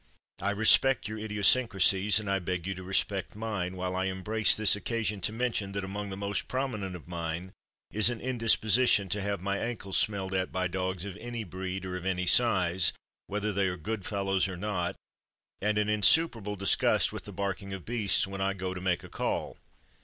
I respect your idiosyncrasies, and I beg you to respect mine, while I embrace this occasion to mention that among the most prominent of mine is an indisposition to have my ankles smelled at by dogs of any breed or of any size, whether they are good fellows or not, and an insuperable disgust with the barking of beasts when I go to make a call.